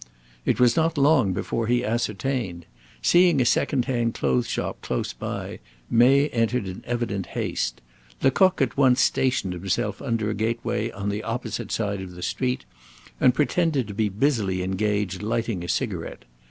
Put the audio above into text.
It was not long before he ascertained. Seeing a second hand clothes shop close by, May entered in evident haste. Lecoq at once stationed himself under a gateway on the opposite side of the street, and pretended to be busily engaged lighting a cigarette.